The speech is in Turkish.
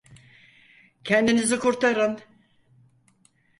Kendinizi kurtarın!